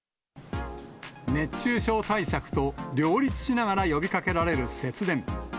熱中症対策と両立しながら呼びかけられる節電。